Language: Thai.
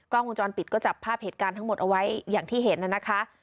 กล้องวงจรปิดก็จับภาพเหตุการณ์ทั้งหมดเอาไว้อย่างที่เห็นน่ะนะคะ